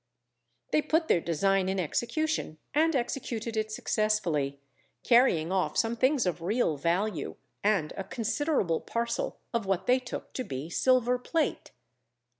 They put their design in execution and executed it successfully, carrying off some things of real value, and a considerable parcel of what they took to be silver plate.